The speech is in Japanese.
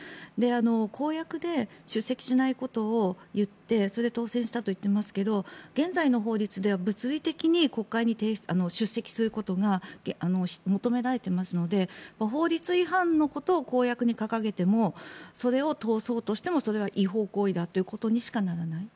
公約で出席しないことを言ってそれで当選したと言っていますが現在の法律では物理的に国会に出席することが求められてますので法律違反のことを公約に掲げてもそれを通そうとしてもそれは違法行為ということにしかならない。